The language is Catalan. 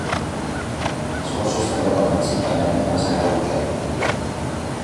Els gossos també borden simplement quan els agrada un joc.